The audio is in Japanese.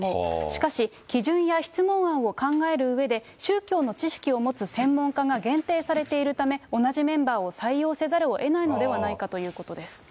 しかし、基準や質問案を考えるうえで、宗教の知識を持つ専門家が限定されているため、同じメンバーを採用せざるをえないのではないかということです。